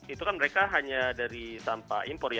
itu kan mereka hanya dari tanpa impor ya